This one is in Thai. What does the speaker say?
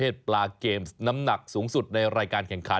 ตกขึ้นมาได้อย่างไร